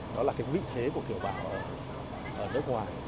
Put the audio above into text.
đó là cái vị thế của kiểu bào ở nước ngoài